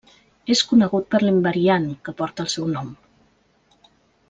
És conegut per l'invariant, que porta el seu nom.